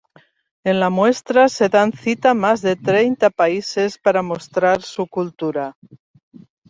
En la muestra se dan cita más de treinta países para mostrar su cultura.